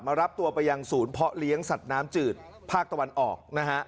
รับตัวไปยังศูนย์เพาะเลี้ยงสัตว์น้ำจืดภาคตะวันออกนะฮะ